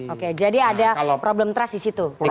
oke jadi ada problem trust di situ